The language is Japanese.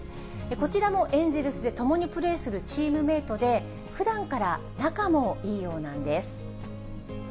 こちらもエンゼルスで共にプレーするチームメートで、ふだんから仲もいいようなんです。